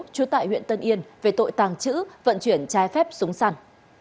trú tại huyện tân yên về tội tàng trữ vận chuyển trái phép súng săn